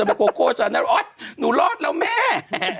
เป็นการกระตุ้นการไหลเวียนของเลือด